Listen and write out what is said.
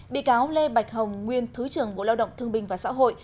bị cáo lê bạch hồng nguyên thứ trưởng bộ lao động thương bình và xã hội